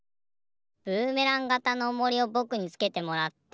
ブーメランがたのおもりをぼくにつけてもらって。